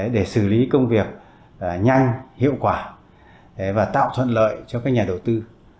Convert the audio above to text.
để xử lý công việc nhanh hiệu quả và tạo thuận lợi cho các nhà đầu tư